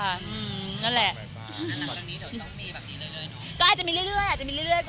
อาจจะมีเรื่อย